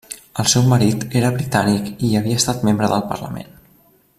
El seu marit era britànic i havia estat membre del Parlament.